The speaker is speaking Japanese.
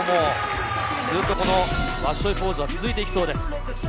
ずっとワッショイポーズは続いていきそうです。